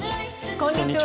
こんにちは。